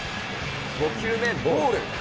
５球目ボール。